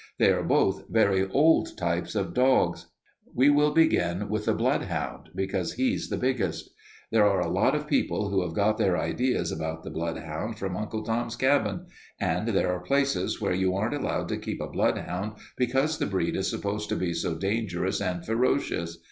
They are both very old types of dogs. "We will begin with the bloodhound because he's the biggest. There are a lot of people who have got their ideas about the bloodhound from 'Uncle Tom's Cabin,' and there are places where you aren't allowed to keep a bloodhound because the breed is supposed to be so dangerous and ferocious.